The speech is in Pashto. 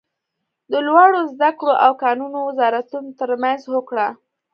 د لوړو ذده کړو او کانونو وزارتونو تر مینځ هوکړه